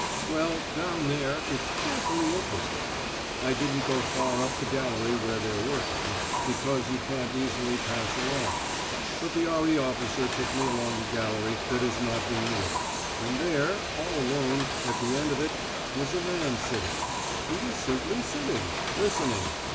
"Well, down there it's fearfully interesting. I didn't go far up the gallery where they're working, because you can't easily pass along; but the R.E. officer took me along a gallery that is not being worked, and there, all alone, at the end of it was a man sitting. He was simply sitting, listening.